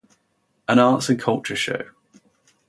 An arts and culture show.